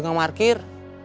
udah gak markir